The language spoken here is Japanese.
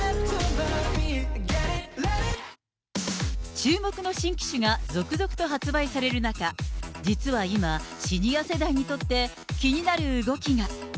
注目の新機種が続々と発売される中、実は今、シニア世代にとって、気になる動きが。